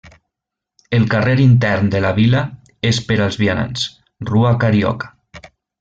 El carrer intern de la vila és per als vianants, Rua Carioca.